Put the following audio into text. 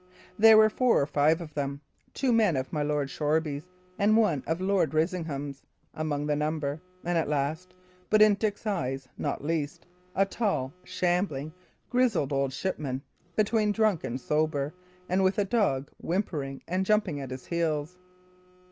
There were four or five of them two men of my Lord Shoreby's and one of Lord Risingham's among the number, and last, but in Dick's eyes not least, a tall, shambling, grizzled old shipman, between drunk and sober, and with a dog whimpering and jumping at his heels.